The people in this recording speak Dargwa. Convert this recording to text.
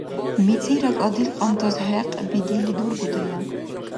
МицӀираг адилкьантас хӀекь бедили дургудая.